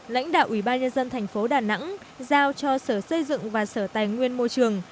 lãnh đạo ủy ban nhân dân thành phố đà nẵng giao cho sở xây dựng và sở tài nguyên môi trường